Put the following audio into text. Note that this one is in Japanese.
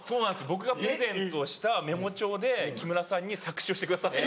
僕がプレゼントしたメモ帳で木村さんに作詞をしてくださった。